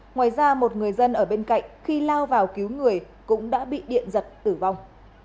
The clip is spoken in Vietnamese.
ngoài ra một người dân ở bên cạnh khi lao vào cứu người cũng đã bị điện giật tử vong